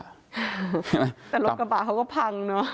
แต่รถกระบะเขาก็พังเนอะ